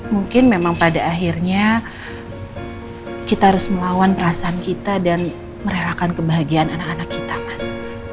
mungkin memang pada akhirnya kita harus melawan perasaan kita dan mererahkan kebahagiaan anak anak kita mas